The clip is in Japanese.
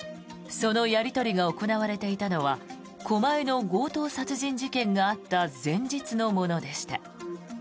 そのやり取りが行われていたのは狛江の強盗殺人事件があった前日のものでした。